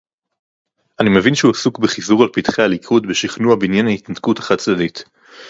אני מבין שהוא עסוק בחיזור על פתחי הליכוד בשכנוע בעניין ההתנתקות החד-צדדית